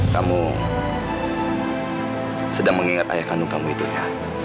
kamu sedang mengingat ayah kandung kamu itu ya